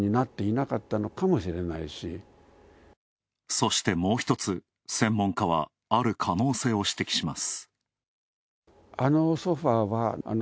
そして、もう一つ、専門家はある可能性を指摘します。